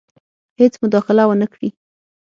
هیڅ مداخله ونه کړي.